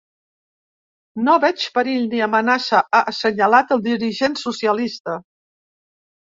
No veig perill, ni amenaça, ha assenyalat el dirigent socialista.